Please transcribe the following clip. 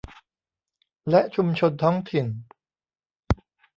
และชุมชนท้องถิ่น